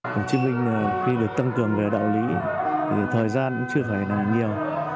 hồ chí minh khi được tăng cường về đạo lý thì thời gian cũng chưa phải là nhiều